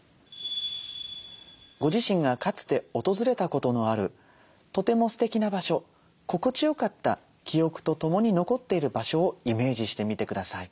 ご自身がかつて訪れたことのあるとてもすてきな場所心地よかった記憶とともに残っている場所をイメージしてみてください。